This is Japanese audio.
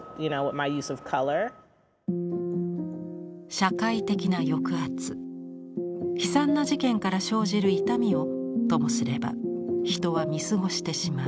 社会的な抑圧悲惨な事件から生じる「痛み」をともすれば人は見過ごしてしまう。